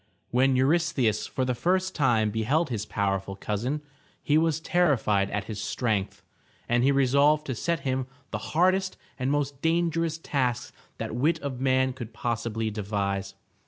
When Eurystheus for the first time beheld his powerful cousin, he was terrified at his strength, and he resolved to set him the hardest and most dangerous tasks that wit of man could possibly devise.